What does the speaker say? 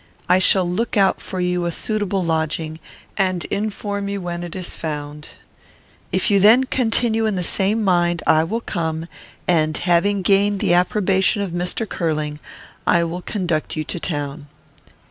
I shall look out for you a suitable lodging, and inform you when it is found. If you then continue in the same mind, I will come, and, having gained the approbation of Mr. Curling, will conduct you to town."